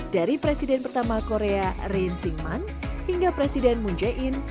dari presiden pertama korea rin singman hingga presiden moon jae in